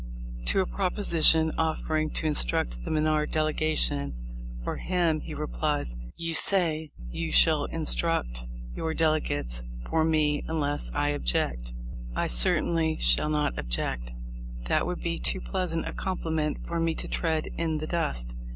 To a proposition offering to instruct the Menard delegation for him he replies : "You say you shall instruct your delegates for me unless THE LIFE OF LINCOLX. 269 I object. I certainly shall not object. That would be too pleasant a compliment for me to tread in the dust.